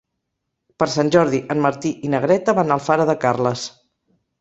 Per Sant Jordi en Martí i na Greta van a Alfara de Carles.